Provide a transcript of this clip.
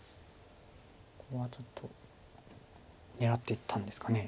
これはちょっと狙っていったんですかね